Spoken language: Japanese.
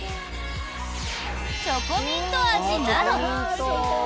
チョコミント味など。